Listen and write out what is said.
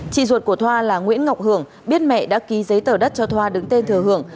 chị ruột của thoa là nguyễn ngọc hưởng biết mẹ đã ký giấy tờ đất cho thoa đứng tên thừa hưởng